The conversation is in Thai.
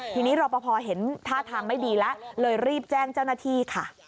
ทีนี้รบพพอเห็นท่าทำไม่ดีแล้วเรารีบแจ้งเจ้าหน้าที่